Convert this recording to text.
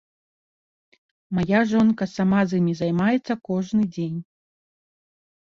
Мая жонка сама з імі займаецца кожны дзень.